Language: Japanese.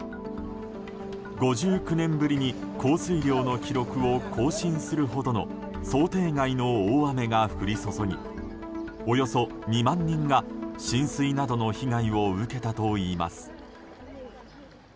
５９年ぶりに降水量の記録を更新するほどの想定外の大雨が降り注ぎおよそ２万人が浸水などの被害を受けたといいます。